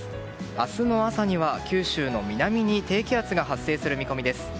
明日の朝には九州の南に低気圧が発生する見込みです。